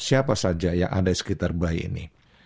siapa saja yang ada di sekitar bayi ini